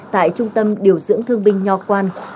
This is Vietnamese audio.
tại trung tâm điều dưỡng thương binh nho quan